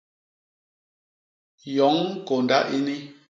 Yoñ kônda ini!